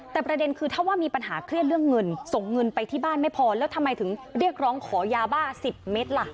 แต่ประเด็นคือถ้าว่ามีปัญหาเครียดเรื่องเงินส่งเงินไปที่บ้านไม่พอแล้วทำไมถึงเรียกร้องขอยาบ้า๑๐เมตรล่ะ